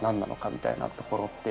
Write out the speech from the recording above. みたいなところって。